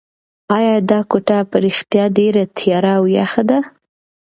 ایا دا کوټه په رښتیا ډېره تیاره او یخه ده؟